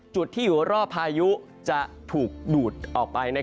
จุดที่อยู่รอบพายุจะถูกดูดออกไป